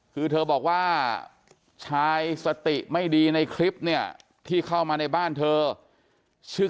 คือเธอบอกว่าชายสติไม่ดีในคลิปเนี่ยที่เข้ามาในบ้านเธอชื่อ